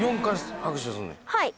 はい。